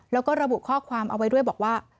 แล้วก็ระบุข้อความเอาไว้ด้วยบอกว่า